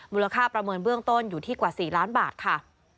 มูลค่าประเมินเบื้องต้นอยู่ที่กว่า๔ล้านบาทค่ะ